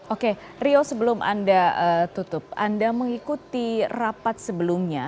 oke rio sebelum anda tutup anda mengikuti rapat sebelumnya